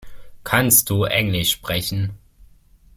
Kannst du englisch sprechen?